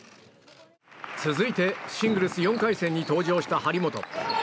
続いてシングルス４回戦に登場した張本。